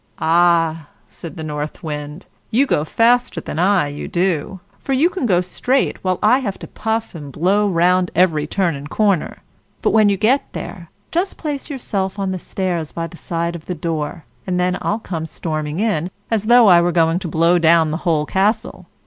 "Ah," said the North Wind, "you go faster than I you do; for you can go straight, while I have to puff and blow round every turn and corner. But when you get there, just place yourself on the stairs by the side of the door, and then I'll come storming in, as though I were going to blow down the whole castle.